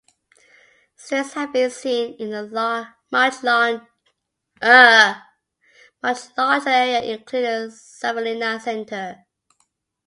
Strays have been seen in a much larger area, including Savonlinna centre.